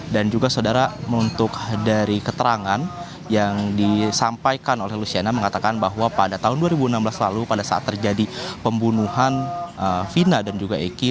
juga saudara untuk dari keterangan yang disampaikan oleh luciana mengatakan bahwa pada tahun dua ribu enam belas lalu pada saat terjadi pembunuhan vina dan juga eki